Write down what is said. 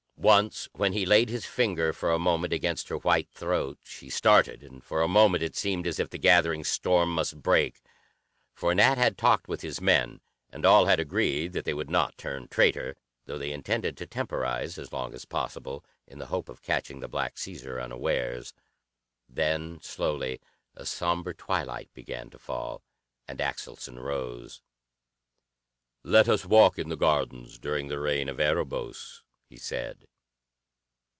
Once, when he laid his finger for a moment against her white throat, she started, and for a moment it seemed as if the gathering storm must break. For Nat had talked with his men, and all had agreed that they would not turn traitor, though they intended to temporize as long as possible, in the hope of catching the Black Caesar unawares. Then slowly a somber twilight began to fall, and Axelson rose. "Let us walk in the gardens during the reign of Erebos," he said.